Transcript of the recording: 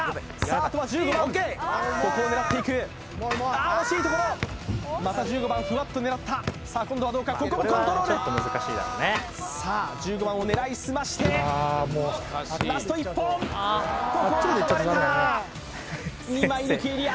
あとは１５番ここを狙っていくあっ惜しい所また１５番ふわっと狙ったさあ今度はどうかここもコントロールさあ１５番を狙いすましてラスト１本ここは阻まれた２枚抜きエリア